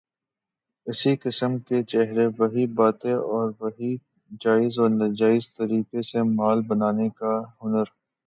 اسی قسم کے چہرے، وہی باتیں اور وہی جائز و ناجائز طریقے سے مال بنانے کا ہنر۔